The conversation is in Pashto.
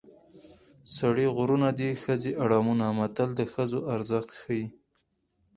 سړي غرونه دي ښځې اړمونه متل د ښځو ارزښت ښيي